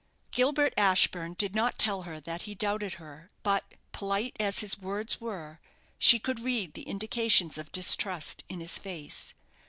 Gilbert Ashburne did not tell her that he doubted her; but, polite as his words were, she could read the indications of distrust in his face.